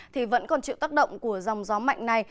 thì vẫn còn chịu tác động của dòng gió mạnh này